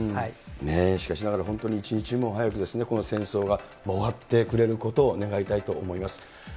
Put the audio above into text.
ねえ、しかしながら本当に一日も早くこの戦争が終わってくれることを願